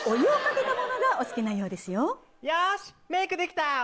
よしメイクできた！